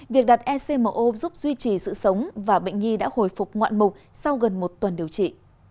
việc đặt ecmo giúp duy trì sự sống và bệnh nhi đã hồi phục ngoạn mục sau gần một tuần điều trị